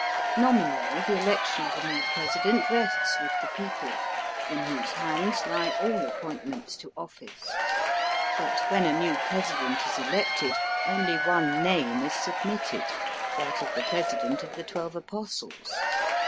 Nominally the elec tion of a new President rests with the people, in whose hands lie all appointments to ofl&ce ; but when a new President is elected only one name is submitted — that of the President of the Twelve Apostles.